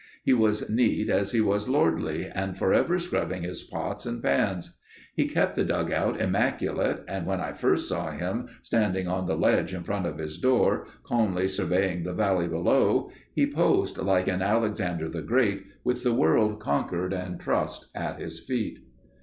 He was neat as he was lordly and forever scrubbing his pots and pans. He kept the dugout immaculate and when I first saw him standing on the ledge in front of his door, calmly surveying the valley below, he posed like an Alexander the Great, with the world conquered and trussed at his feet.